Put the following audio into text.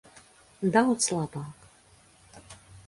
Daudz labāk.